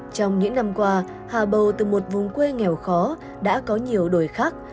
trong những năm qua hà bầu từ một vùng quê nghèo khó đã có nhiều đổi khác